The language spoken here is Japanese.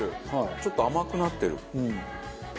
ちょっと甘くなってる。